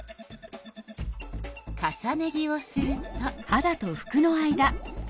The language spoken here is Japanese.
重ね着をすると。